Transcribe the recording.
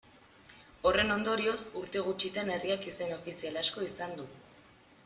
Horren ondorioz urte gutxitan herriak izen ofizial asko izan du.